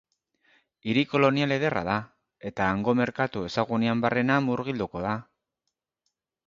Hiri kolonial ederra da, eta hango merkatu ezagunean barrena murgilduko da.